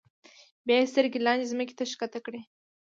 بیا یې سترګې لاندې ځمکې ته ښکته کړې.